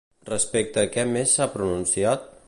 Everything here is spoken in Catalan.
Respecte a què més s'ha pronunciat?